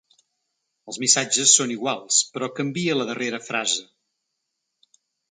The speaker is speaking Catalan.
Els missatges són iguals, però canvia la darrera frase.